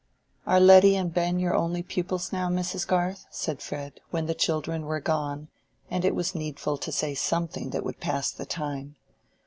"Are Letty and Ben your only pupils now, Mrs. Garth?" said Fred, when the children were gone and it was needful to say something that would pass the time.